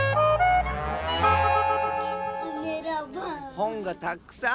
ほんがたくさん！